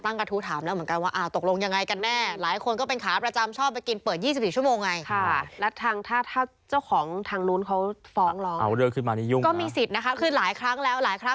ตั้งกระทุฑาห์มแล้วเหมือนกันว่า